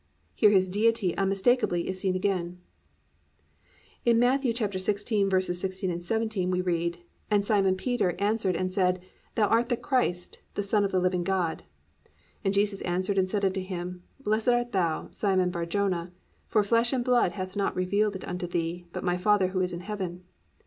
"+ Here His Deity unmistakably is seen again. In Matt. 16:16, 17, we read, +"And Simon Peter answered and said, thou art the Christ, the son of the living God. And Jesus answered and said unto him, Blessed art thou, Simon Bar Jona: for flesh and blood hath not revealed it unto thee, but my father who is in heaven."